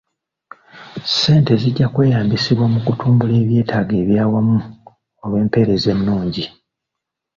Ssente zijja kweyambisibwa mu kutumbula ebyetaago ebyawamu olw'empeereza ennungi.